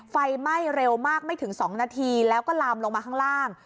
ไฟไหม้เร็วมากไม่ถึง๒นาทีแล้วก็ลามลงมาข้างล่าง